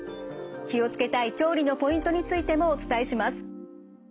気を付けたい調理のポイントについてもお伝えします。